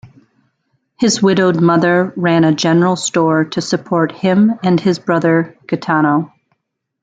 His widowed mother ran a general store to support him and his brother, Gaetano.